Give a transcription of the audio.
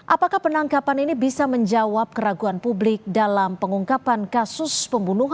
apakah penangkapan ini bisa menjawab keraguan publik dalam pengungkapan kasus pembunuhan